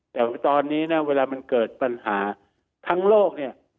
แต่ตอนนี้นะเวลามันเกิดปัญหาทั้งโลกเนี่ย